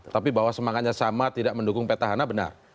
tapi bahwa semangatnya sama tidak mendukung peta hana benar